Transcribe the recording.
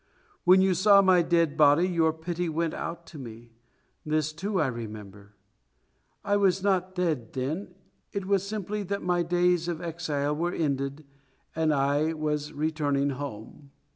When you saw my dead body your pity went out to me; this, too, I remember. I was not dead then, it was simply that my days of exile were ended and I was returning home.